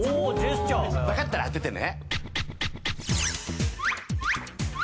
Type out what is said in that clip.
わかったら当ててね。